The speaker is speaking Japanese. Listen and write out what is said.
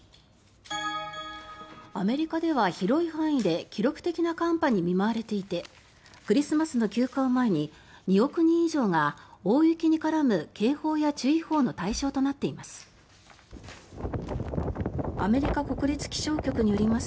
アメリカでは広い範囲で記録的な寒波に見舞われていてクリスマスの休暇を前に２億人以上が大雪に絡む警報や注意報の対象となっています。